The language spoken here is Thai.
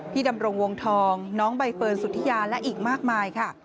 พี่ดำรงวงทองน้องใบเฟิลสุธิญานะอีกมากมายค่ะ